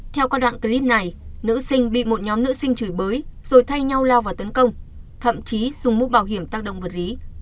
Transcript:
theo các đoạn clip này nữ sinh bị một nhóm nữ sinh chửi bới rồi thay nhau lao vào tấn công thậm chí dùng mũ bảo hiểm tác động vật lý